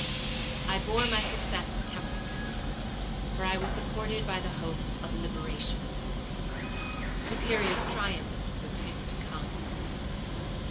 I bore my success with temperance, for I was supported by the hope of liberation. The Superior's triumph was soon to come.